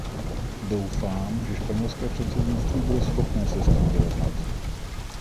Doufám, že španělské předsednictví bude schopné se s tím vyrovnat.